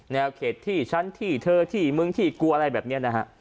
เขตที่ฉันที่เธอที่มึงที่กลัวอะไรแบบนี้นะฮะ